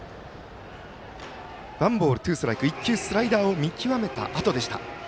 ワンボール、ツーストライク１球スライダーを見極めたあとでした。